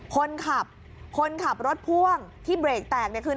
คนขับคนขับรถพ่วงที่เบรกแตกเนี่ยคือ